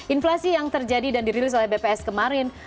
inflasi yang terjadi dan dirilis oleh bps kemarin